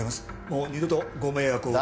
もう二度とご迷惑を。